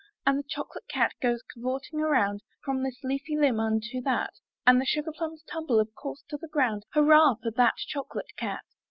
And the chocolate cat goes cavorting around From this leafy limb unto that, And the sugar plums tumble, of course, to the ground — Hurrah for that chocolate cat.